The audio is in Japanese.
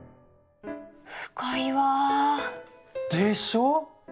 深いわ。でしょう？